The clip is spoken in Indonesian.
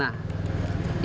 yang berboha susila